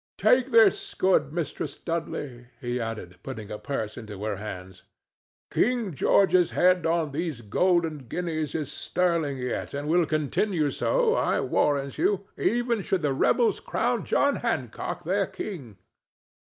—Take this, good Mistress Dudley," he added, putting a purse into her hands. "King George's head on these golden guineas is sterling yet, and will continue so, I warrant you, even should the rebels crown John Hancock their king.